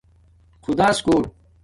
خداس کُوٹ